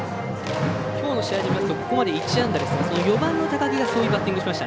きょうの試合で言いますとここまで１安打ですが４番の高木がそういうバッティングしました。